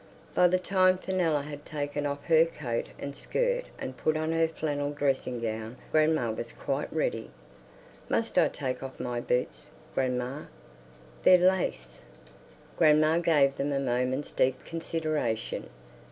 By the time Fenella had taken off her coat and skirt and put on her flannel dressing gown grandma was quite ready. "Must I take off my boots, grandma? They're lace." Grandma gave them a moment's deep consideration.